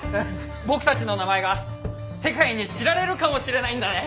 僕たちの名前が世界に知られるかもしれないんだね！